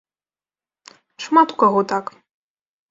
Шмат у каго так.